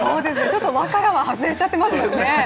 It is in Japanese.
輪からは外れちゃってますもんね。